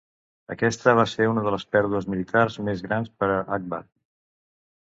Aquesta va ser una de les pèrdues militars més grans per a Akbar.